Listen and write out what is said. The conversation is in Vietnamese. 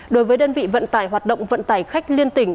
đối với đơn vị vận tải hoạt động vận tải khách liên tỉnh